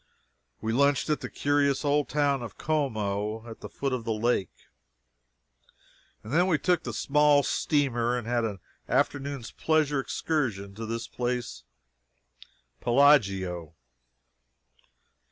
We lunched at the curious old town of Como, at the foot of the lake, and then took the small steamer and had an afternoon's pleasure excursion to this place, Bellaggio.